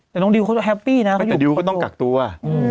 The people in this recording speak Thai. แต่น้องดิวเขาจะแฮปปี้น่ะเขาอยู่แต่ดิวก็ต้องกักตัวอ่ะอืม